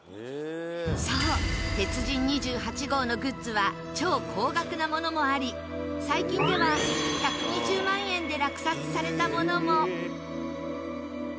そう『鉄人２８号』のグッズは超高額なものもあり最近では１２０万円で落札されたものも。